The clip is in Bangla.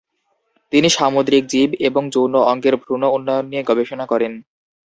তিনি সামুদ্রিক জীব এবং যৌন অঙ্গের ভ্রূণ উন্নয়ন নিয়ে গবেষণা করেন।